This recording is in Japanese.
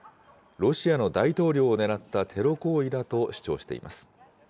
ロシアの大統領を狙ったテロ行為だと主張しています。